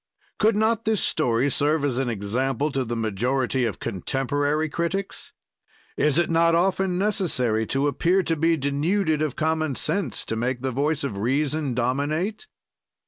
Could not this story serve as an example to the majority of contemporary critics? Is it not often necessary to appear to be denuded of common sense, to make the voice of reason dominate?